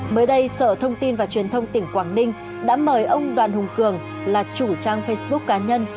mới đây sở thông tin và truyền thông tỉnh quảng ninh đã mời ông đoàn hùng cường là chủ trang facebook cá nhân